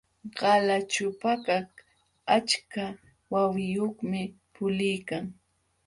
Qalaćhupakaq achka wawiyuqmi puliykan.